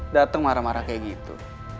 datang marah marah kayak gitu